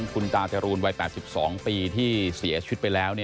คุณตาจรูนวัย๘๒ปีที่เสียชีวิตไปแล้ว